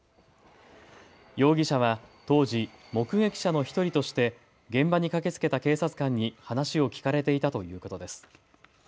容疑者は当時、目撃者の１人として現場に駆けつけた警察官に話を聞かれていたということです。